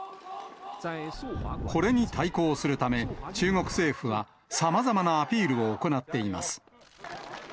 これに対抗するため、中国政府はさまざまなアピールを行っています。